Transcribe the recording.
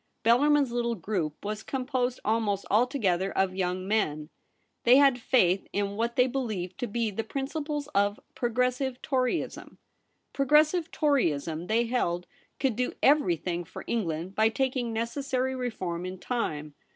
Bellarmin's little group was composed almost altogether of young men. They had faith in 202 THE REBEL ROSE. what they believed to be the principles of Progressive Toryism. Progressive Toryism, they held, could do everything for England by taking necessary reform in time.